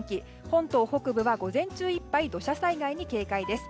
本島北部は午前中いっぱい土砂災害に警戒です。